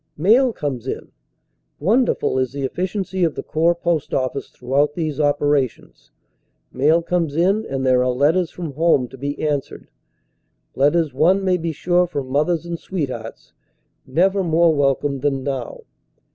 Mail comes in won derful is the efficiency of the Corps post office throughout these operations; mail comes in and there are letters from home to be answered, letters one may be sure from mothers and sweethearts, never more welcome than now.